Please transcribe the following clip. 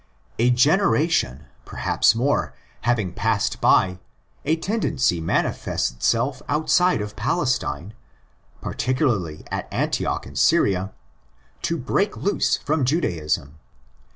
A generation—perhaps more—having passed away, a tendency manifests itself outside of Palestine, particularly at Antioch in Syria, to break loose from Judaism.